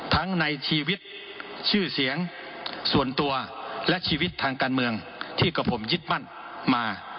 ทั้งในชีวิตชื่อเสียงส่วนตัวและชีวิตทางการเมืองที่กับผมยึดมั่นมา